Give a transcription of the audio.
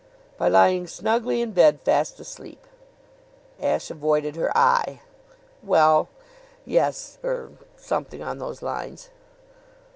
"By lying snugly in bed, fast asleep?" Ashe avoided her eye. "Well, yes er something on those lines."